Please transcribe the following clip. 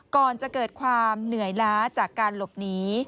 ก่อนจะเกิดความเหนื่อยล้าจากการหลบหนี